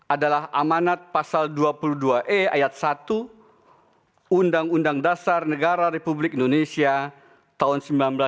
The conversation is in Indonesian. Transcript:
adalah amanat pasal dua puluh dua e ayat satu undang undang dasar negara republik indonesia tahun seribu sembilan ratus empat puluh lima